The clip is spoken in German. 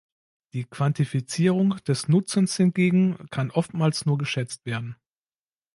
Die Quantifizierung des Nutzens hingegen kann oftmals nur geschätzt werden.